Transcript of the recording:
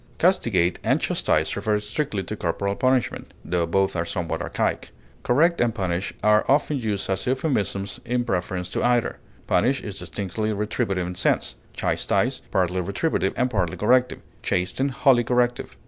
Castigate and chastise refer strictly to corporal punishment, tho both are somewhat archaic; correct and punish are often used as euphemisms in preference to either. Punish is distinctly retributive in sense; chastise, partly retributive, and partly corrective; chasten, wholly corrective.